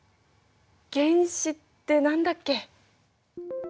原子ってなんだっけ。